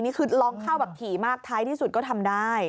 นี่คือร้องเข้าแบบถี่มากท้ายที่สุดก็ทำได้